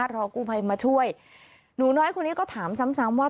รอกู้ภัยมาช่วยหนูน้อยคนนี้ก็ถามซ้ำซ้ำว่า